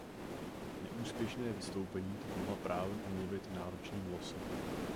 Neúspěšné vystoupení tak mohla právem omluvit náročným losem.